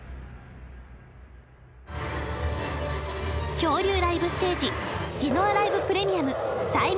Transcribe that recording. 恐竜ライブステージディノアライブ・プレミアムタイム